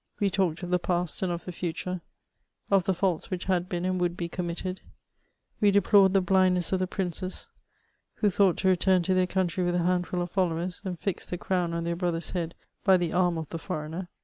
We talked of the past and of the future, of the faults which bad been and would be committed ; we deplored the blindness of the princes, who thought to return to Uieir country with a handful of followers, and fix the crown on their brother's head by the arm of the foreigner.